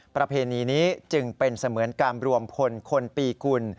ประเพณีนี้จึงเป็นเสมือนการรวมพลคนปีกุล